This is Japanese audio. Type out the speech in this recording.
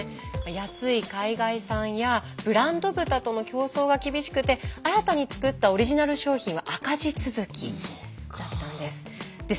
安い海外産やブランド豚との競争が激しくて新たにつくったオリジナル商品は赤字続きだったんです。